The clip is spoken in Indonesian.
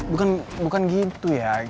bukan bukan gitu ya